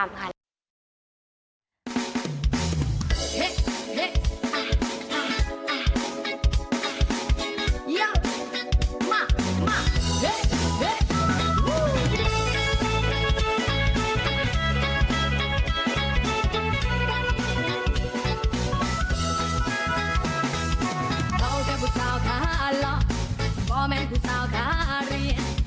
เขาแค่ผู้สาวขาลองก็แม่งผู้สาวขาเรียน